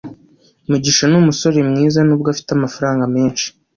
mugisha numusore mwiza nubwo afite amafaranga menshi